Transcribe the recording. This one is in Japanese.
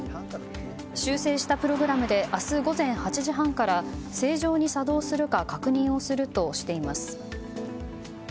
修正したプログラムで明日午前８時半から正常に作動するか確認をするとしています。